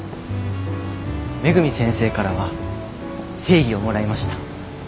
恵先生からは正義をもらいました。